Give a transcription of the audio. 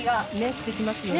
してきますよね。